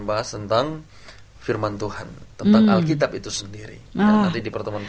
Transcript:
mari berjalan ke sion